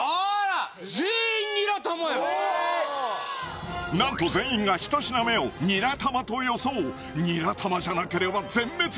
全員ニラ玉や何と全員が１品目をニラ玉と予想ニラ玉じゃなければ全滅